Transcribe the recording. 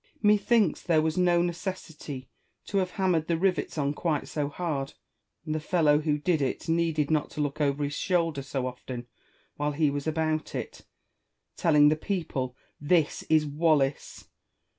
Wallace. Methinks there was no necessity to have ham mered the rivets on quite so hard ; and the fellow who did it needed not to look over his shoulder so often while he was about it, telling the people, " This is Wallace."